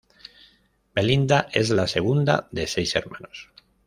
Belinda es la segunda de seis hermanos.